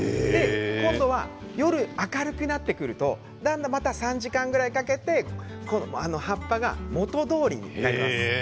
今度は夜、明るくなってくるとまた３時間ぐらいかけて葉っぱが元どおりになります。